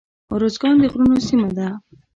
ارزګان د غرونو سیمه ده